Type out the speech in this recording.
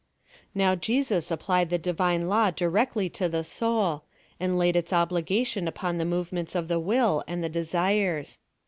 Now, Jesus applied the Divine law directly to the soul, and laid its obligation upon the move ments of the will, and the desires.